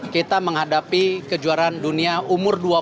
kita menghadapi kejuaraan dunia umur dua puluh